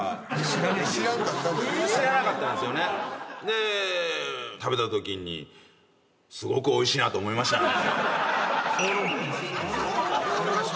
で食べたときにすごくおいしいなと思いましたね。